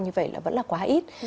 như vậy là vẫn là quá ít